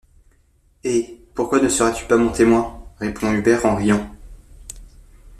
Eh! pourquoi ne serais-tu pas mon témoin?... répondit Hubert en riant.